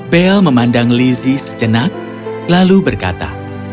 belle memandang lizzie sejenak lalu berkata